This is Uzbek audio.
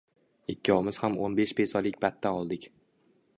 Ikkovimiz ham o’n besh pesolik patta oldik!